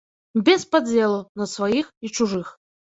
Без падзелу на сваіх і чужых.